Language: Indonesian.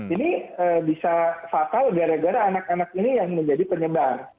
ini bisa fatal gara gara anak anak ini yang menjadi penyebar